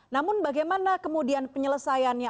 namun bagaimana kemudian penyelesaiannya